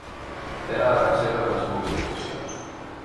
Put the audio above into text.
Era la tercera de les mobilitzacions.